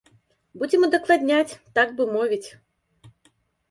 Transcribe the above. Будзем удакладняць, так бы мовіць.